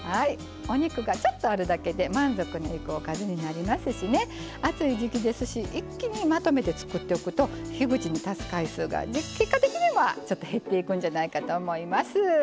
お肉がちょっとあるだけで満足のいくおかずになりますし暑い時期ですし一気にまとめて作っておくと火口に立つ回数が結果的にはちょっと減っていくんじゃないかと思います。